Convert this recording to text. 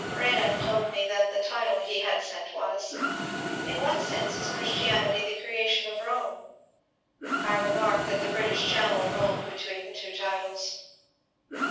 Renan told me that the title he had sent was :^' In what Sense is Christianity the Creation of Rome ?" I remarked that the British Channel rolled between the two titles.